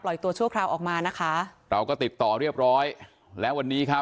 ตัวชั่วคราวออกมานะคะเราก็ติดต่อเรียบร้อยแล้ววันนี้ครับ